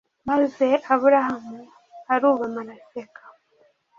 maze aburahamu arubama araseka